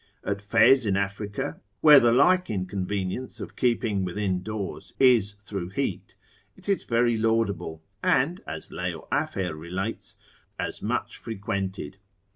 At Fez in Africa, where the like inconvenience of keeping within doors is through heat, it is very laudable; and (as Leo Afer relates) as much frequented.